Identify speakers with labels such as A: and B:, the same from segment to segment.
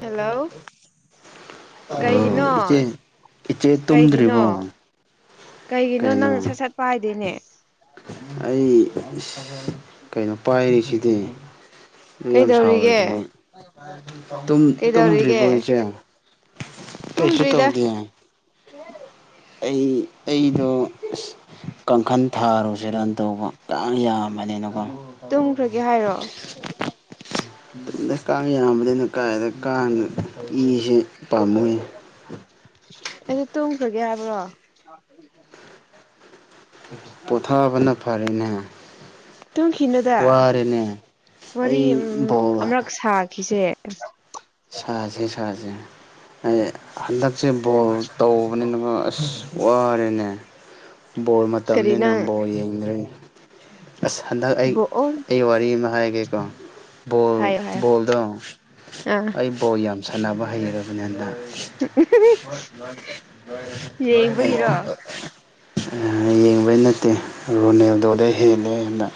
A: hello
B: [inaudible] ꯑꯣ ꯏꯆꯦ
A: ꯀꯩꯒꯤꯅꯣ
B: ꯏꯆꯦ ꯇꯨꯝꯗ꯭ꯔꯤꯕꯣ
A: ꯀꯩꯒꯤꯅꯣ ꯀꯩꯒꯤꯅꯣ
B: ꯀꯩꯅꯣ
A: ꯅꯪ ꯁꯠ ꯁꯠꯄ ꯄꯥꯗꯦꯅꯦ
B: ꯑꯩ ꯏꯁ ꯀꯩꯅꯣ ꯄꯥꯏꯔꯤꯁꯤꯗꯤ ꯑꯗꯨ ꯌꯥꯝ ꯁꯥꯎꯔꯦ
A: ꯀꯩꯗꯧꯔꯤꯒꯦ
B: ꯑꯗꯨꯕꯨ ꯇꯨꯝꯗ꯭ꯔꯤꯕ
A: ꯀꯩꯗꯧꯔꯤꯒꯦ
B: ꯍꯣꯏꯁꯦ ꯀꯩꯁꯨ
A: ꯇꯨꯝꯗ꯭ꯔꯤꯗ
B: ꯇꯧꯗꯦ ꯑꯩ ꯑꯩꯗꯣ ꯏꯁ ꯀꯥꯡꯈꯜ ꯊꯥꯔꯨꯁꯦ ꯔꯟ ꯇꯧꯕ ꯌꯥꯝ ꯌꯥꯝ
A: ꯇꯨꯝꯈ꯭ꯔꯒꯦ ꯍꯥꯏꯔꯣ
B: ꯗ ꯀꯥꯡ ꯌꯥꯝꯕꯅꯤꯅ ꯀꯥꯏꯗ ꯀꯥꯡꯗ ꯏꯤꯁꯦ
A: [inaudible] ꯑꯩꯗ ꯇꯨꯝꯈ꯭ꯔꯒꯦ ꯍꯥꯏꯕ꯭ꯔꯣ
B: ꯄꯣꯊꯥꯕꯅ ꯐꯔꯦꯅꯦ
A: ꯇꯨꯝ ꯈꯤꯅꯨꯗ
B: ꯋꯥꯔꯦꯅꯦ
A: ꯋꯥꯔꯤ
B: ꯑꯩ ꯕꯣꯜ
A: ꯑꯃꯔꯛ ꯁꯥꯈꯤꯁꯦ
B: ꯁꯥꯖꯦ ꯁꯖꯦ ꯑꯩ ꯍꯟꯗꯛꯁꯦ ꯕꯣꯜ ꯇꯧꯕꯅꯤꯅꯀ ꯑꯁ ꯋꯥꯔꯦꯅꯦ ꯕꯣꯜ
A: ꯀꯔꯤ
B: ꯃꯇꯝꯅꯤꯅ
A: ꯅꯪ
B: ꯕꯣꯜ ꯌꯦꯡꯗ꯭ꯔꯦ ꯑꯁ ꯍꯟꯗꯛ ꯑꯩ
A: ꯕꯣꯛꯑꯣ
B: ꯑꯩ ꯋꯥꯔꯤ ꯑꯃ ꯍꯥꯏꯔꯒꯦꯀꯣ ꯕꯣꯜ
A: ꯍꯥꯏꯌꯣ ꯍꯥꯏꯌꯣ
B: ꯕꯣꯜꯗꯣ
A: ꯑꯥ
B: ꯑꯩ ꯕꯣꯜ ꯌꯥꯝ ꯁꯥꯟꯅꯕ ꯍꯩꯔꯕꯅꯤ ꯍꯟꯗ
A: ꯌꯦꯡꯕꯒꯤꯔꯣ
B: ꯑꯩ ꯌꯦꯡꯕꯩ ꯅꯠꯇꯦ ꯔꯣꯅꯦꯜꯗꯣꯗ ꯍꯦꯜꯂꯦꯗ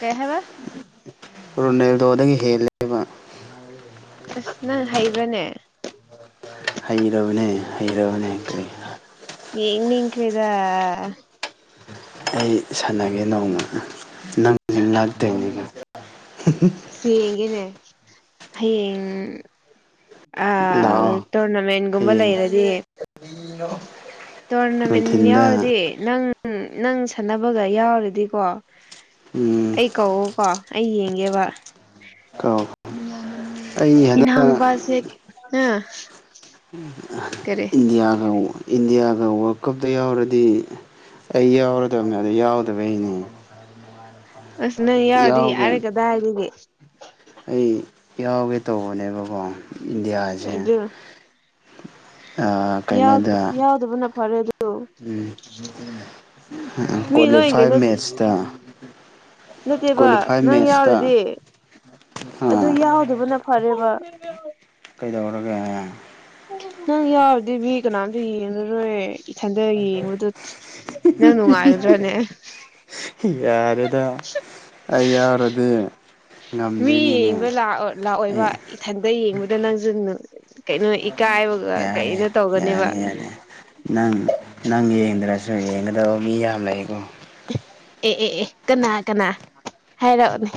A: ꯀꯩ ꯍꯥꯏꯕ
B: ꯔꯣꯅꯦꯜꯗꯣꯗꯒꯤ ꯍꯦꯜꯂꯦꯕ
A: ꯑꯁ ꯅꯪ ꯍꯩꯕ꯭ꯔꯅꯦ
B: ꯍꯩꯔꯕꯅꯦ ꯍꯩꯔꯕꯅꯦ
A: ꯌꯦꯡꯅꯤꯡꯈ꯭ꯔꯦꯗ
B: ꯑꯩ ꯁꯥꯟꯅꯒꯦ ꯅꯣꯡꯃ ꯅꯪ ꯉꯥꯛꯇꯣꯏꯅꯤ
A: ꯌꯦꯡꯒꯦꯅꯦ ꯍꯌꯦꯡ
B: ꯂꯥꯛꯑꯣ
A: ꯑꯥ ꯇꯣꯔꯅꯥꯃꯦꯟꯒꯨꯝꯕ
B: ꯍꯌꯦꯡ
A: ꯂꯩꯔꯗꯤ ꯇꯣꯔꯅꯥꯃꯦꯟ
B: ꯅꯨꯡꯊꯤꯟꯗ
A: ꯌꯥꯎꯔꯗꯤ ꯅꯪ ꯎꯝ ꯅꯪ ꯁꯥꯟꯅꯕꯒ ꯌꯥꯎꯔꯗꯤꯀꯣ
B: ꯎꯝ
A: ꯑꯩ ꯀꯧꯀꯣ ꯑꯩ ꯌꯦꯡꯉ ꯌꯦꯡꯒꯦꯕ
B: ꯀꯥꯎ ꯑꯩ ꯍꯟꯗꯛ
A: ꯏꯅꯥꯎꯅꯨꯄꯥꯁꯦ ꯀꯔꯤ
B: ꯏꯟꯗꯤꯌꯥꯒ ꯏꯟꯗꯤꯌꯥꯒ ꯋꯥꯔꯜ ꯀꯞꯇ ꯌꯥꯎꯔꯗꯤ ꯑꯩ ꯌꯥꯎꯔꯗꯕꯅꯦ ꯑꯗ ꯌꯥꯎꯗꯕꯩꯅꯦ
A: ꯑꯁ ꯅꯪ ꯌꯥꯎꯔꯗꯤ
B: ꯌꯥꯎꯒꯦ
A: ꯌꯥꯔꯦ ꯀꯗꯥꯏꯗꯒꯤ
B: ꯑꯩ ꯌꯥꯎꯒꯦ ꯇꯧꯕꯅꯦꯕꯀꯣ ꯏꯟꯗꯤꯌꯥꯁꯦ
A: ꯑꯗꯨ
B: ꯑꯥ
A: ꯌꯥꯎ
B: ꯀꯩꯅꯣꯗ
A: ꯌꯥꯎꯗꯕꯅ ꯐꯔꯦ ꯑꯗꯨ
B: ꯎꯝ
A: ꯃꯤ ꯂꯣꯏ
B: ꯀ꯭ꯋꯥꯂꯤꯐꯥꯏ
A: ꯀꯩꯅꯣ
B: ꯃꯦꯠꯁꯇ
A: ꯅꯠꯇꯦꯕ
B: ꯀ꯭ꯋꯥꯂꯤꯐꯥꯏ
A: ꯅꯪ
B: ꯃꯦꯠꯁꯇ
A: ꯌꯥꯎꯔꯤꯗꯤ ꯑꯗꯨ ꯌꯥꯎꯗꯕ ꯅ ꯐꯔꯦꯕ
B: ꯑꯗꯨꯗꯧꯔꯒ
A: ꯅꯪ ꯌꯥꯎꯔꯗꯤ ꯃꯤ ꯀꯅꯥꯝꯇ ꯌꯦꯡꯉꯔꯣꯏ ꯏꯊꯟꯗ ꯌꯦꯡꯕꯗ ꯅꯪ ꯅꯨꯡꯉꯥꯏꯒꯗ꯭ꯔꯅꯦ
B: ꯌꯥꯔꯦꯗ ꯑꯩ ꯌꯥꯎꯔꯗꯤ
A: ꯃꯤ
B: ꯉꯝꯗꯣꯏꯅꯤꯅꯦ
A: ꯌꯦꯡꯕꯑꯣ ꯂꯥꯛꯑꯣꯏꯕ
B: ꯑꯩ
A: ꯏꯊꯟꯇ ꯌꯦꯡꯕꯗ ꯅꯪꯁꯨ ꯀꯩꯅꯣ ꯏꯀꯥꯏꯕꯒ
B: ꯌꯥꯔꯦ
A: ꯀꯩꯅꯣ ꯇꯧꯒꯅꯦꯕ
B: ꯌꯥꯔꯦ ꯌꯥꯔꯦ ꯅꯪ ꯅꯪ ꯌꯦꯡꯗ꯭ꯔꯁꯨ ꯁꯨꯝ ꯌꯦꯡꯒꯗꯕ ꯃꯤ ꯌꯥꯝ ꯂꯩꯀꯣ
A: ꯑꯦ ꯑꯦ ꯑꯦ ꯀꯅꯥ ꯀꯅꯥ ꯍꯥꯏꯔꯛꯑꯣꯅꯦ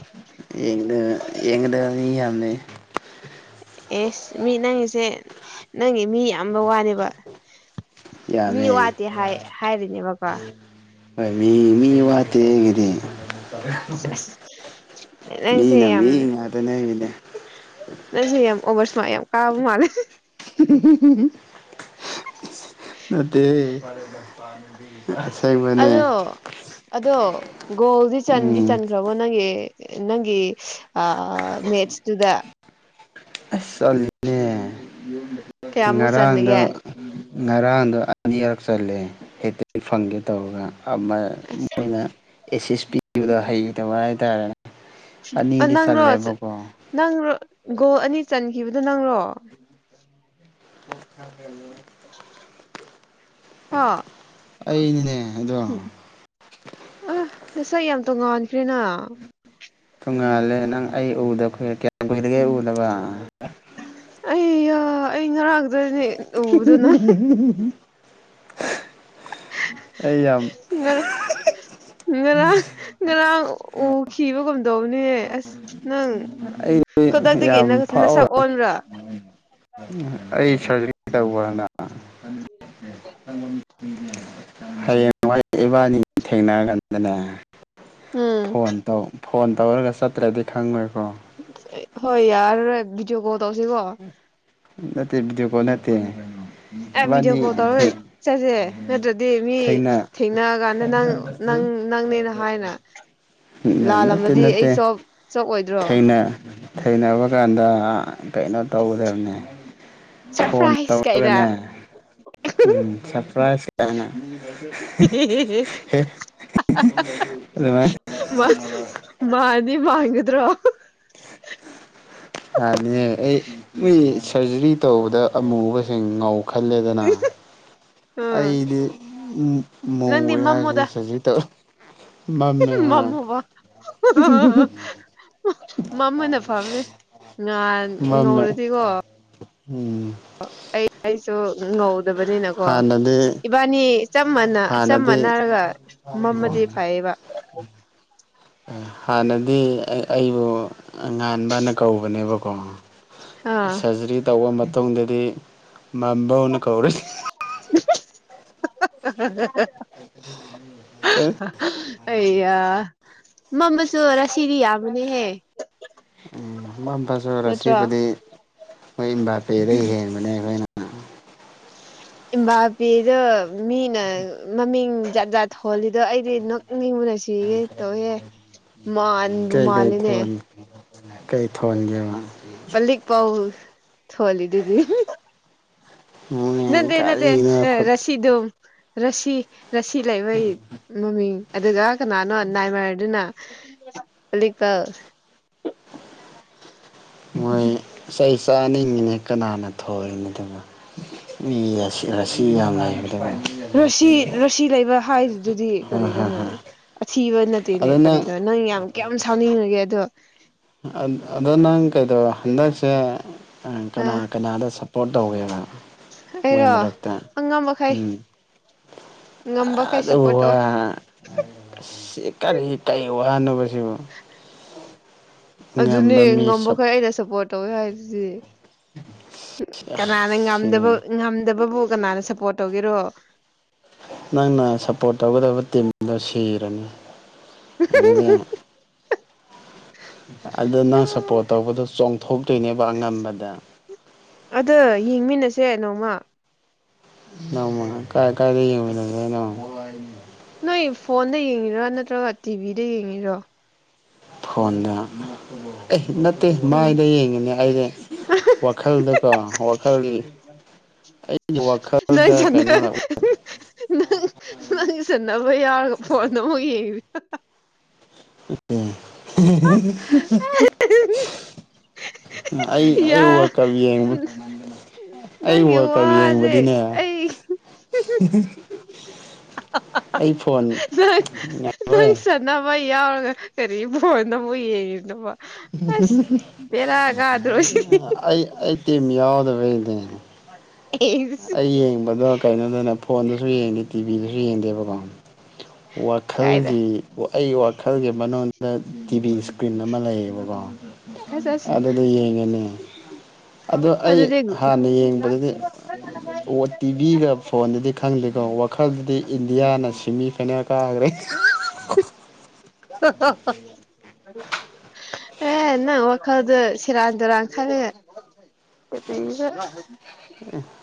B: ꯌꯦꯡꯗ ꯌꯦꯒꯗ ꯃꯤ ꯌꯥꯝ ꯂꯩ
A: ꯏꯁ ꯃꯤ ꯅꯪꯒꯤꯁꯦ ꯅꯪꯒꯤ ꯃꯤ ꯌꯥꯝꯕ ꯋꯥꯅꯦꯕ ꯃꯤ
B: ꯌꯥꯝꯃꯦ
A: ꯋꯥꯠꯇꯦ ꯍꯥꯏ ꯍꯥꯏꯔꯤꯅꯦꯕꯀꯣ
B: ꯍꯣꯏ ꯃꯤ ꯃꯤ ꯋꯥꯇꯦ ꯑꯩꯒꯤꯗꯤ
A: ꯑꯁ ꯅꯪꯁꯦ
B: ꯃꯤꯅ
A: ꯌꯥꯝ
B: ꯃꯤ ꯉꯥꯛꯇꯅꯦ ꯑꯩꯒꯤꯗꯤ
A: ꯑꯣꯕꯔ ꯏꯁꯃꯥꯔꯠ ꯌꯥꯝ ꯀꯥꯕ ꯃꯥꯜꯂꯦ
B: ꯅꯠꯇꯦꯍꯦ
A: ꯑꯗꯣ ꯑꯗꯣ ꯒꯣꯜꯗꯤ ꯆꯟꯗꯤ
B: ꯎꯝ
A: ꯆꯟꯈ꯭ꯔꯕꯣ ꯅꯪꯒꯤ ꯅꯪꯒꯤ ꯑꯥ ꯃꯦꯠꯁꯇꯨꯗ
B: ꯑꯁ ꯆꯜꯂꯤꯅꯦ
A: ꯀꯌꯥꯃꯨꯛ
B: ꯉꯔꯥꯡꯗ
A: ꯆꯟꯒꯦ
B: ꯉꯔꯥꯡꯗꯣ ꯑꯅꯤꯔꯛ ꯆꯜꯂꯦ ꯍꯦꯛꯇ ꯐꯪꯒꯦ ꯇꯧꯔꯒ ꯑ ꯃ
A: ꯑꯁ
B: ꯃꯣꯏꯅ ꯑꯦꯁ ꯑꯦꯁ ꯄꯤꯕꯗꯣ ꯍꯩꯇꯕ ꯍꯥꯏꯇꯥꯔꯦ
A: ꯑ
B: ꯑꯅꯤꯗꯤ
A: ꯅꯪꯔꯣ
B: ꯆꯜꯂꯦꯕꯀꯣ
A: ꯅꯪꯔ ꯒꯣꯜ ꯑꯅꯤ ꯆꯟꯈꯤꯕꯗꯣ ꯅꯪꯔꯣ
B: [unintelligible]
A: ꯍ
B: ꯑꯩꯩꯅꯤꯅꯦ
A: ꯎꯝ ꯑ ꯅꯁꯛ ꯌꯥꯝ ꯇꯣꯡꯉꯥꯟꯈ꯭ꯔꯦꯅ
B: ꯇꯣꯡꯉꯥꯜꯂꯦ ꯅꯪ ꯑꯩ ꯎꯗꯔꯦ ꯀꯌꯥꯝ ꯀꯨꯏꯗꯒꯦ ꯎꯗꯕ
A: ꯑꯩ ꯌꯥ ꯑꯩ ꯉꯔꯥꯡꯗꯅꯦ ꯎꯕꯗꯨꯅ
B: ꯑꯩ ꯌꯥꯝ
A: ꯉꯥ ꯉꯔꯥꯡ ꯉꯔꯥꯡ ꯎꯈꯤꯕꯒꯨꯝ ꯀꯗꯧꯅꯦ ꯑꯁ ꯅꯪ
B: ꯑꯩꯗꯤ
A: ꯈꯨꯗꯛꯇꯒꯤ
B: ꯌꯥꯝ
A: ꯅꯁꯛ
B: ꯐꯥꯎꯔ
A: ꯑꯣꯟꯕ꯭ꯔꯥ
B: ꯑꯩ ꯁꯔꯖꯔꯤ ꯇꯧꯕꯅ
A: [inaudible]
B: ꯍꯌꯦꯡꯋꯥꯏ ꯏꯕꯥꯅꯤ ꯊꯦꯡꯅꯔꯀꯥꯟꯗꯅꯦ
A: ꯎꯝ
B: ꯐꯣꯟ ꯇꯧ ꯐꯣꯟ ꯇꯧꯔꯒ ꯆꯠꯇ꯭ꯔꯗꯤ ꯈꯪꯉꯣꯏ
A: ꯍꯣꯏ ꯌꯥꯔꯔꯣꯢ ꯚꯤꯗꯤꯑꯣ ꯀꯣꯜ ꯇꯧꯁꯤꯀꯣ
B: ꯅꯠꯇꯦ ꯅꯠꯇꯦ ꯀꯣ ꯅꯠꯇꯦ
A: ꯑꯦ ꯚꯤꯗꯤꯑꯣ
B: ꯏꯕꯥꯅꯤ
A: ꯀꯣꯜ ꯇꯧꯔ ꯆꯠꯁꯦ ꯅꯠꯇ꯭ꯔꯗꯤ ꯃꯤ
B: ꯊꯦꯡꯅ
A: ꯊꯦꯡꯅꯑꯀꯥꯟꯗ ꯅꯪ ꯅꯪ ꯅꯪꯅꯦ ꯅꯍꯥꯏꯅ
B: ꯅꯠꯇꯦ ꯅꯠꯇꯦ
A: ꯆꯣꯞ ꯑꯣꯏꯗ꯭ꯔꯣ
B: ꯊꯦꯡ ꯊꯦꯡꯅꯕ ꯀꯥꯟꯗ ꯀꯩꯅꯣ ꯇꯧꯒꯗꯕꯅꯦ ꯐꯣꯟ
A: ꯁꯔꯄ꯭ꯔꯥꯏꯖ ꯀꯥꯏꯅ
B: ꯇꯧꯔꯒꯅꯦ ꯎꯝ ꯁꯔꯄ꯭ꯔꯥꯏꯖ ꯑꯩꯅ
A: ꯃꯥ ꯃꯥꯅꯤ ꯍꯥꯢꯒꯗ꯭ꯔꯣ [inaudible]
B: ꯌꯥꯅꯤꯍꯦ ꯑꯩ ꯃꯨꯏ ꯁꯔꯖꯔꯤ ꯇꯧꯕꯗ ꯑꯃꯨꯕꯁꯤꯡ ꯉꯧ ꯈꯜꯂꯦꯗꯅ
A: ꯎꯝ
B: ꯑꯩꯗꯤ
A: ꯅꯪꯗꯤ
B: ꯃꯨꯋꯦ ꯍꯥꯢꯕꯅꯤ ꯁꯔꯖ꯭ꯔꯤ ꯇꯧ
A: ꯃꯝꯃꯕ ꯃꯝꯕꯅ ꯐꯕꯅꯦ ꯉꯥꯟ
B: ꯃꯝꯃꯦ
A: ꯉꯧꯔꯗꯤꯀꯣ
B: ꯎꯝ
A: ꯑꯣ ꯑꯩ ꯑꯩꯁꯨ ꯉꯧꯗꯕꯅꯤꯅꯀꯣ
B: ꯍꯥꯟꯅꯗꯤ
A: ꯏꯕꯥꯅꯤ ꯆꯞ ꯃꯥꯟꯅ ꯆꯞ
B: ꯍꯥꯟꯅꯗꯤ
A: ꯃꯥꯟꯅꯔꯒ ꯃꯝꯃꯗꯤ ꯐꯩꯌꯦꯕ
B: ꯍꯥꯟꯅꯗꯤ ꯑꯩꯕꯨ ꯉꯥꯟꯕꯅ ꯀꯧꯕꯅꯦꯕꯀꯣ
A: ꯑꯥ
B: ꯁꯔꯖꯔꯤ ꯇꯧꯕ ꯃꯇꯨꯡꯗꯗꯤ ꯃꯝꯕꯧꯅ ꯀꯧꯔꯁꯦ
A: [unintelligible] ꯑꯌꯥ ꯃꯝꯃꯁꯨ ꯔꯥꯁꯤꯗꯤ ꯌꯥꯝꯕꯅꯦꯍꯦ
B: ꯃꯝꯃꯁꯨ
A: ꯅꯠꯇ꯭ꯔꯣ
B: ꯔꯥꯁꯤꯕꯨꯗꯤ ꯃꯣꯏ ꯑꯝꯕꯥꯥꯄꯦꯗꯩ ꯍꯦꯟꯕꯅꯦ ꯑꯩꯈꯣꯏꯅ
A: ꯏꯝꯕꯥꯄꯦꯗꯣ ꯃꯤꯅ ꯃꯃꯤꯡ ꯖꯥꯠ ꯖꯥꯠ ꯊꯣꯜꯂꯤꯗꯣ ꯑꯩꯗꯤ ꯅꯣꯛ ꯅꯣꯛꯅꯤꯡꯕꯅ ꯁꯤꯒꯦ ꯇꯧꯋꯦꯍꯦ ꯃꯥꯟꯕꯨ
B: ꯀꯩ ꯀꯩ
A: ꯃꯥꯜꯂꯤꯅꯦ
B: ꯊꯣꯟ ꯀꯩ ꯊꯣꯟꯒꯦꯕ
A: ꯄꯂꯤꯛ ꯄꯥꯎ ꯊꯣꯜꯂꯤꯗꯨꯗꯤ
B: ꯃꯣꯏ
A: ꯅꯗꯦ ꯅꯗꯦ
B: ꯀꯔꯤꯅꯣ
A: ꯑ
B: ꯈꯨꯠ
A: ꯔꯥꯁꯤꯗꯨ ꯔꯥꯁꯤ ꯔꯥꯁꯤ ꯂꯩꯕꯩ ꯃꯃꯤꯡ ꯑꯗꯨꯒ ꯀꯅꯥꯅꯣ ꯅꯥꯏꯃꯔꯗꯨꯅ ꯑꯂꯤꯀꯜ
B: ꯃꯣꯏ ꯆꯩ ꯆꯥꯅꯤꯡꯉꯤꯅꯦ ꯀꯅꯥꯅ ꯊꯣꯛꯂꯤꯅꯣ ꯑꯗꯨꯅ ꯃꯤ ꯔꯥꯁꯤ ꯔꯥꯁꯤ ꯌꯥꯝ ꯂꯩꯕ
A: ꯔꯥꯁꯤ ꯔꯥꯁꯤ ꯂꯩꯕ ꯍꯥꯏꯔꯤꯗꯨꯗꯤ
B: ꯍꯥ ꯍꯥ
A: ꯀꯔꯤꯔꯣꯅꯦ
B: ꯍꯥ
A: ꯑꯊꯤꯕ ꯅꯠꯇꯦꯅꯦ ꯀꯔꯤꯅꯣꯅꯦ ꯅꯪ ꯌꯥꯝ ꯀꯌꯥꯝ ꯁꯥꯎꯅꯤꯡꯉꯒꯦ ꯑꯗꯣ
B: ꯑꯗꯣ ꯅꯪ ꯀꯩꯗꯧꯔ ꯍꯟꯗꯛꯁꯦ ꯀꯅꯥ ꯀꯅꯥꯗ ꯁꯞ ꯄꯣꯔꯠ ꯇꯧꯒꯦꯕ ꯃꯣꯏ
A: ꯑꯩꯔꯣ
B: ꯃꯔꯛꯇ
A: ꯑꯉꯝꯕꯈꯩ
B: ꯎꯝ
A: ꯉꯝꯕꯈꯩ
B: ꯑꯗꯨꯕꯨ
A: ꯁꯞꯄꯣꯔꯠ
B: ꯋꯥ
A: ꯇꯧꯋꯦ
B: ꯁꯤ ꯀꯔꯤ ꯀꯩ ꯋꯥꯅꯣꯕꯁꯤꯕꯣ
A: ꯑꯗꯨꯅꯦ
B: ꯁꯞ
A: ꯉꯝꯕꯈꯩ ꯑꯩꯅ ꯁꯞꯄꯣꯔꯠ ꯇꯧꯋꯦ ꯍꯥꯏꯕꯁꯤ ꯀꯅꯥꯅ ꯉꯝꯗꯕ
B: ꯁꯤꯅꯤ
A: ꯉꯝꯗꯕꯕꯨ ꯀꯅꯥꯅ ꯁꯞꯄꯣꯔꯠ ꯇꯧꯒꯦꯔꯣ
B: ꯅꯪꯅ ꯁꯞꯄꯣꯔꯠ ꯇꯧꯒꯗꯕ ꯇꯤꯝꯗꯣ ꯁꯤꯔꯅꯤ ꯑꯗꯨꯅ ꯑꯗꯨ ꯅꯪ ꯁꯞꯄꯣꯔꯠ ꯇꯧꯕꯗꯣ ꯆꯣꯡꯊꯣꯛꯇꯣꯏꯅꯦꯕ ꯉꯝꯕꯗ
A: ꯑꯗꯣ ꯌꯦꯡꯃꯤꯟꯅꯁꯦ ꯅꯣꯡꯃ
B: ꯅꯣꯡꯃ ꯀꯥꯏ ꯀꯥꯏꯗ ꯌꯦꯡꯃꯤꯟꯅꯗꯣꯢꯅꯣ
A: ꯅꯣꯏ ꯐꯣꯟꯗ ꯌꯦꯡꯉꯤꯔ ꯅꯠꯇ꯭ꯔꯒ ꯇꯤꯚꯤꯗ ꯌꯦꯡꯉꯤꯔꯣ
B: ꯐꯣꯟꯗ ꯑꯦ ꯅꯠꯇꯦ
A: ꯎꯝ
B: ꯃꯥꯏꯗ ꯌꯦꯡꯉꯤꯅꯦ ꯍꯩꯔꯦ ꯋꯥꯈꯜꯗꯀꯣ ꯋꯥꯈꯜꯒꯤ ꯑꯩꯒꯤ
A: ꯅꯪ
B: ꯋꯥꯈꯜꯗ
A: ꯁꯥꯟꯅ
B: ꯀꯩꯅꯣ
A: ꯅꯪ ꯅꯪ ꯁꯟꯅꯕ ꯌꯥꯎꯔꯒ ꯐꯣꯟꯗ ꯑꯃꯨꯛ ꯌꯦꯡꯉꯤ
B: ꯑꯦ ꯑꯩ ꯑꯩ
A: ꯌꯥ
B: ꯋꯥꯜꯀꯕ ꯌꯦꯡꯕ ꯑꯩ
A: ꯅꯪꯒꯤ
B: ꯋꯥꯔꯜ ꯀꯞ
A: ꯋꯥꯁꯦ
B: ꯌꯦꯡꯕꯗꯤꯅꯦ
A: ꯑꯩ
B: ꯑꯩ ꯐꯣꯟ
A: ꯅꯪ ꯅꯪ
B: ꯉꯝꯔꯣꯏ
A: ꯁꯅꯥ ꯍꯣꯢ ꯌꯥꯎꯔꯒ ꯀꯔꯤ ꯐꯣꯟꯗ ꯑꯃꯨꯛ ꯌꯦꯡꯉꯤꯗꯨꯕꯣ ꯑꯁ ꯕꯦꯔꯥ ꯀꯗ꯭ꯔꯣ
B: ꯑꯩ ꯑꯩ ꯇꯤꯝ ꯌꯥꯎꯗꯕꯤ ꯑꯣꯏꯗꯣꯅꯦ
A: ꯋꯥꯟ
B: ꯑꯩ ꯌꯦꯡꯕꯗꯣ ꯀꯩꯅꯣꯗꯅ ꯐꯣꯟꯗꯁꯨ ꯌꯦꯡꯗꯦ ꯇꯤꯚꯤꯗꯁꯨ ꯌꯦꯡꯗꯦꯕꯀꯣ
A: ꯀꯥꯏꯗ
B: ꯋꯥꯈꯜꯒꯤ ꯑꯩꯒꯤ ꯋꯥꯈꯜꯒꯤ ꯃꯅꯨꯡꯗ ꯇꯤꯚꯤ ꯀ꯭ꯔꯤꯟ ꯑꯃ ꯂꯩꯌꯦꯕꯀꯣ
A: ꯑꯁ ꯑꯁ
B: ꯑꯗꯨꯗ ꯌꯦꯡꯉꯅꯦ ꯑꯗꯣ ꯑꯩ
A: ꯑꯗꯨꯗꯤ
B: ꯍꯥꯟꯅ ꯌꯦꯡꯕꯗꯨꯗꯤ ꯑꯣ ꯇꯤꯚꯤꯒ ꯐꯣꯟꯗꯗꯤ ꯈꯪꯗꯦꯀꯣ ꯋꯥꯈꯜꯗꯗꯤ ꯏꯟꯗꯤꯌꯥꯅ ꯗꯤ ꯃꯤ ꯀꯅꯥ ꯀꯒ꯭ꯔꯦ
A: ꯍ ꯍ ꯍ ꯑꯦ ꯅꯪ ꯋꯥꯈꯜꯗꯣ ꯁꯦꯔꯥꯟ ꯇꯨꯔꯥꯟ ꯈꯟꯂꯦ [unintelligible]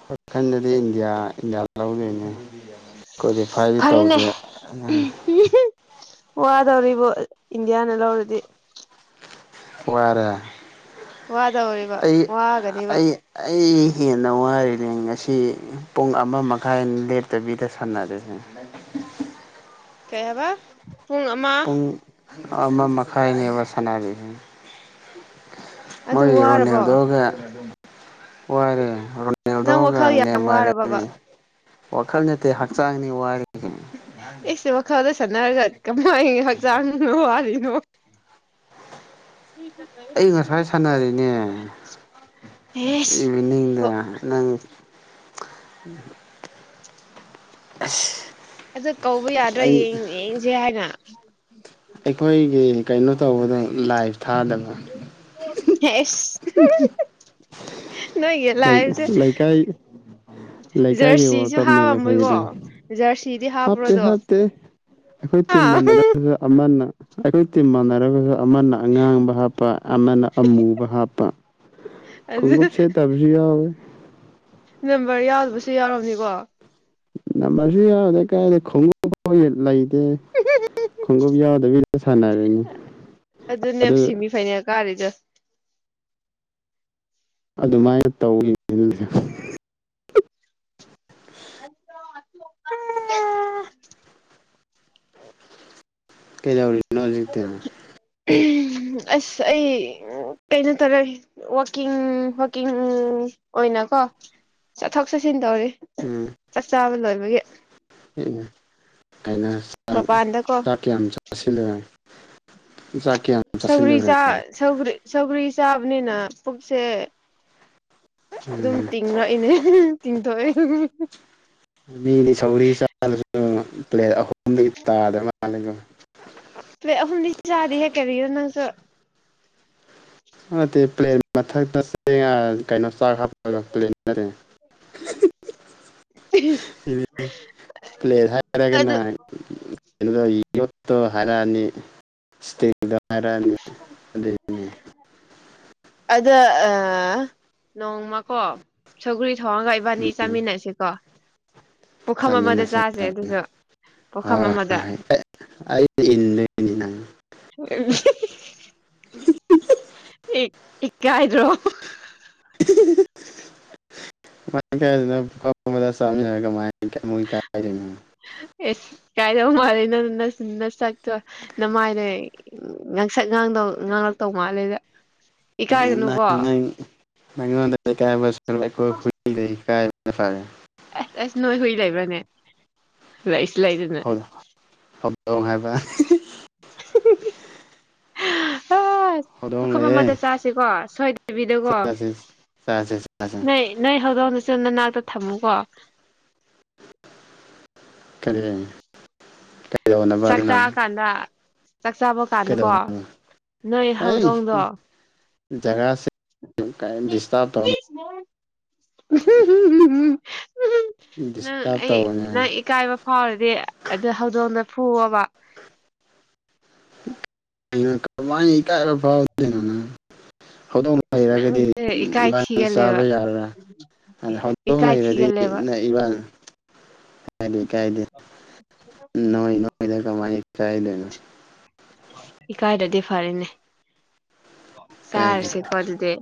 B: ꯋꯈꯟꯗꯗꯤ ꯏꯟꯗꯤꯌꯥ ꯏꯟꯗꯤꯌꯥꯗ ꯂꯧꯗꯣꯏꯅꯦ ꯀ꯭ꯋꯥꯂꯤꯐꯥꯏꯗꯤ
A: ꯐꯔꯦꯅꯦ
B: ꯇꯧꯗꯦ
A: ꯇꯧꯔꯤꯕꯣ ꯏꯟꯗꯤꯌꯥꯅ ꯂꯧꯔꯗꯤ
B: ꯋꯥꯔꯦ
A: ꯋꯥꯗꯧꯔꯤꯕ
B: ꯑꯩ
A: ꯋꯥꯒꯅꯤꯕ
B: ꯑꯩ ꯑꯩ ꯍꯦꯟꯅ ꯋꯥꯔꯤꯔꯤꯅꯦ ꯉꯁꯤ ꯄꯨꯡ ꯑꯃ ꯃꯈꯥꯏ ꯂꯦꯞꯇꯕꯤꯗ ꯁꯥꯟꯅꯔꯦꯅꯦ
A: ꯀꯩ ꯍꯣꯢꯕ ꯄꯨꯡ ꯑꯃ
B: ꯄꯨꯡ ꯑꯃ ꯃꯈꯥꯏꯅꯦꯕ ꯁꯅꯥꯔꯤꯗꯣ
A: ꯑꯗꯨ
B: ꯃꯣꯏꯒꯤ
A: ꯋꯥꯔꯕꯣ
B: ꯔꯣꯅꯦꯜꯗꯣꯒ ꯋꯥꯔꯦ
A: ꯅꯪ
B: ꯔꯣꯅꯦꯜꯗꯣꯒ
A: ꯋꯥꯈꯜ ꯌꯥꯝ
B: ꯅꯦꯃꯥꯔꯒꯗꯤ
A: ꯋꯥꯔꯕꯕ ꯏꯁ ꯋꯥꯈꯜꯗ ꯁꯅꯔꯒ ꯀꯃꯥꯏ ꯆꯔꯁꯨ ꯑꯗꯨꯝ ꯋꯥꯔꯤꯗꯨꯕꯣ
B: ꯑꯩ ꯉꯁꯥꯏ ꯁꯥꯟꯅꯔꯦꯅꯦ
A: ꯏꯁ ꯑꯣ
B: ꯏꯚꯤꯅꯤꯡꯗ ꯅꯪ ꯑꯁ
A: ꯑꯖ ꯀꯧꯕ ꯌꯥꯗ꯭ꯔꯥ
B: ꯑꯩ
A: ꯌꯦꯡ ꯌꯦꯡꯁꯦ ꯍꯥꯏꯅ
B: ꯑꯩꯈꯣꯏꯒꯤ ꯀꯩꯅꯣ ꯇꯧꯕꯗꯣ ꯂꯥꯏꯚ ꯊꯥꯗꯕ
A: ꯍꯦꯁ
B: ꯂꯩ ꯂꯩꯀꯥꯏ ꯂꯩꯀꯥꯏꯒꯤ ꯋꯥꯔꯜ
A: ꯖꯔꯁꯤꯁꯨ
B: ꯀꯞꯅꯦꯕ
A: ꯍꯥꯞꯔꯝꯃꯣꯏꯀꯣ
B: ꯑꯩꯈꯣꯏꯒꯤꯗꯪ
A: ꯖꯔꯁꯤꯗꯤ
B: ꯍꯥꯞꯇꯦ
A: ꯍꯥꯞꯄ꯭ꯔꯣꯗꯣ
B: ꯍꯥꯞꯇꯦ ꯑꯩꯈꯣꯏ ꯇꯤꯝ
A: ꯑꯥ
B: ꯃꯥꯟꯅꯔꯛꯇꯔ ꯑꯃꯅ ꯑꯩꯈꯣꯏ ꯇꯤꯝ ꯃꯥꯟꯅꯔꯒꯁꯨ ꯑꯃꯅ ꯑꯉꯥꯡꯕ ꯍꯥꯞꯄ ꯑꯃꯅ ꯑꯃꯨꯕ ꯍꯥꯞꯄ
A: ꯑꯗꯨ
B: ꯈꯨꯡꯉꯨꯞ ꯁꯦꯠꯇꯕꯁꯨ ꯌꯥꯎꯋꯤ
A: ꯅꯝꯕꯔ ꯌꯥꯗꯕꯁꯨ ꯌꯥꯎꯔꯝꯅꯤꯀꯣ
B: ꯅꯝꯕꯁꯤ ꯌꯥꯗ ꯀꯦ ꯈꯪ ꯂꯩ [unintelligible] ꯈꯣꯡꯎꯞ ꯌꯥꯎꯗꯕꯤꯅ ꯁꯥꯟꯅꯔꯦꯅꯤ ꯑꯗꯨ
A: ꯀꯔꯤꯖꯦ
B: ꯑꯗꯨꯃꯥꯏꯅ ꯇꯧꯒꯤ [unintelligible]
A: [unintelligible]
B: ꯀꯩꯗꯧꯔꯤꯅꯣ ꯍꯧꯖꯤꯛꯇꯤ
A: ꯑꯁ ꯑꯩ ꯀꯩꯅꯣ ꯇꯧꯔꯦ ꯋꯥꯀꯤꯡ ꯋꯥꯀꯤꯡ ꯑꯣꯏꯅꯀꯣ ꯆꯠꯊꯣꯛ ꯆꯠꯁꯤꯟ ꯇꯧꯔꯤ
B: ꯎꯝ
A: ꯆꯥꯛ ꯆꯥꯕ ꯂꯣꯏꯕꯒꯤ ꯃꯄꯥꯟꯗꯀꯣ
B: [unintelligible] ꯆꯥꯛ ꯀꯌꯥꯝ ꯆꯥꯁꯤꯜꯂꯦ
A: ꯁꯧꯒ꯭ꯔꯤ ꯆꯥ ꯁꯧꯒ꯭ꯔꯤ ꯁꯧꯒ꯭ꯔꯤ ꯆꯥꯕꯅꯤꯅ ꯄꯨꯛꯁꯦ ꯑꯗꯨꯝ
B: ꯎꯝ
A: ꯇꯤꯡꯔꯛꯏꯅꯦ ꯇꯤꯡ ꯇꯣ [unintelligible]
B: ꯃꯤꯗꯤ ꯁꯧꯒ꯭ꯔꯤ ꯆꯥꯁꯨ ꯄ꯭ꯂꯦꯠ ꯑꯍꯨꯝꯗꯤ ꯇꯥꯗ꯭ꯔ ꯃꯥꯜꯂꯦꯀꯣ
A: ꯄ꯭ꯂꯦꯠ ꯑꯍꯨꯝꯗꯤ ꯆꯥꯗꯦꯍꯦ ꯀꯔꯤꯔ ꯅꯪꯁꯨ
B: ꯑꯗꯨꯠꯇꯦ ꯄ꯭ꯂꯦꯟ ꯃꯊꯛꯇ ꯀꯩꯅꯣ ꯆꯥꯛ ꯍꯥꯞꯄꯒ ꯄ꯭ꯂꯦꯟꯗꯔ [unintelligible] ꯄ꯭ꯂꯦ
A: ꯑꯗꯨ
B: ꯍꯥꯏꯔꯒꯅ [unintelligible] ꯀꯅꯥ ꯌꯣꯠꯇꯣ ꯍꯥꯏꯔꯅꯤ ꯏꯁꯇꯦꯟꯗꯣ ꯍꯥꯏꯔꯅꯤ ꯑꯗꯨꯒꯤꯅꯤ
A: ꯑꯗ ꯑꯥ ꯅꯣꯡꯃꯀꯣ ꯁꯧꯒ꯭ꯔꯤ ꯊꯧꯡꯉꯒ ꯏꯕꯥꯅꯤ
B: ꯎꯝ
A: ꯆꯥꯃꯤꯟꯅꯁꯤꯀꯣ ꯄꯨꯈꯝ ꯑꯃꯗ
B: ꯆꯥꯃꯤꯟꯅꯁꯦ
A: ꯆꯥꯁꯦ ꯑꯗꯨꯁꯨ ꯄꯨꯈꯝ ꯑꯃꯗ
B: ꯑꯩꯗꯤ ꯏꯟꯗꯣꯏꯅꯦ ꯅꯪ
A: [unintelligible] ꯏꯛ ꯏꯀꯥꯏꯗ꯭ꯔꯣ
B: [unintelligible]
A: ꯀꯥꯏꯗꯧ ꯃꯥꯜꯂꯦ ꯅ ꯅ ꯅꯁꯛꯇꯣ ꯅꯃꯥꯏꯗꯩ ꯉꯥꯡꯁꯛ ꯉꯥꯡꯗꯧ ꯉꯥꯡꯂ ꯇꯧꯃꯥꯂꯦꯗ
B: [unintelligible] ꯐꯔꯦ
A: ꯑꯦꯁ ꯑꯦꯁ ꯅꯣꯏ ꯍꯨꯏ ꯂꯩꯕꯅꯦ ꯂꯥꯏꯁ
B: ꯍꯧ ꯍꯧꯗꯣꯡ ꯍꯥꯏꯕ
A: ꯍꯥꯁ
B: ꯍꯧꯗꯣꯡ
A: ꯄꯨꯈꯝ
B: ꯂꯩꯌꯦ
A: ꯑꯃꯗ ꯆꯥꯁꯤꯀꯣ ꯁꯣꯏꯗꯕꯤꯗꯀꯣ
B: ꯆꯥꯁꯤ ꯆꯥꯁꯤ ꯆꯥꯁꯤ
A: ꯅꯣꯏ ꯅꯣꯏ ꯍꯧꯗꯣꯡ ꯆꯟ ꯅꯅꯥꯛꯇ ꯊꯝꯃꯨ ꯀꯣ
B: ꯀꯔꯤ ꯀꯔꯤꯗꯧꯅꯕ
A: ꯆꯥꯛ
B: ꯑꯗꯨꯅ
A: ꯆꯥꯔꯀꯥꯟꯗ ꯆꯥꯛ ꯆꯥꯕ ꯀꯥꯟꯗꯀꯣ
B: ꯀꯩꯗꯧꯅꯕ
A: ꯅꯣꯏ
B: ꯍꯩ
A: ꯍꯧꯗꯣꯡꯗꯣ
B: ꯖꯒꯥꯁꯦ ꯀꯦꯝ ꯗꯤꯁꯇꯥꯥꯔꯕ ꯇꯧꯅꯣ
A: ꯎꯝꯍꯨ ꯍꯨ ꯍꯨ ꯍꯨ ꯎꯍꯨ ꯅꯪ
B: ꯗꯤꯁꯇꯥꯔꯕ
A: ꯑꯩ
B: ꯇꯧꯒꯅꯨ
A: ꯅꯪ ꯏꯀꯥꯏꯕ ꯐꯥꯎꯔꯗꯤ ꯑꯗꯨ ꯍꯧꯗꯣꯡꯗ ꯐꯨꯑꯣꯕ
B: ꯀꯩꯅꯣ ꯀꯃꯥꯏꯅ ꯏꯀꯥꯏꯕ ꯐꯥꯎꯗꯣꯏꯅꯣ ꯅꯪ ꯍꯧꯗꯣꯡ
A: ꯑꯁ
B: ꯍꯩꯔꯒꯗꯤ
A: ꯅꯪꯁꯦ ꯏꯀꯥꯏ
B: ꯏꯕꯥꯥꯟꯅꯤ
A: ꯊꯤꯒꯜꯂꯦꯕ
B: ꯆꯥꯕ ꯌꯥꯔꯔꯥ ꯑꯗ ꯍꯧꯗꯣꯡ
A: ꯏꯀꯥꯏ
B: ꯂꯩꯔꯗꯤ
A: ꯊꯤꯒꯜꯂꯦꯕ
B: ꯅꯛꯏꯕ ꯀꯥꯏꯗꯦ ꯀꯥꯏꯗꯦ ꯅꯣꯏ ꯅꯣꯏꯗ ꯀꯃꯥꯏ ꯀꯥꯏꯗꯣꯏꯅꯣ
A: ꯏꯀꯥꯏꯗꯗꯤ ꯐꯔꯦꯅꯦ
B: ꯏꯀꯥꯏꯗꯦ
A: ꯆꯥꯔꯁꯦꯀꯣ ꯑꯗꯨꯗꯤ